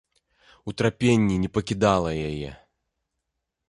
Утрапенне не пакідала яе.